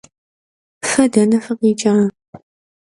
Fe dene fıkhiç'a?